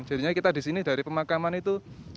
jadinya kita di sini dari pemakaman itu